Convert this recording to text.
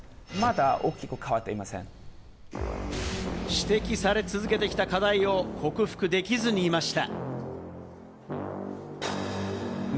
指摘され続けてきた課題を克服できずにいました。